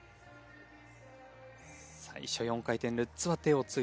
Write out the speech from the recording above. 最初４回転ルッツは手をついてしまい。